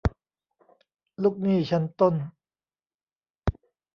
ลูกหนี้ชั้นต้น